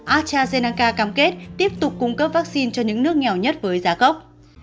astrazeneca cam kết tiếp tục cung cấp vaccine cho những nước nghèo nhất với giá gốc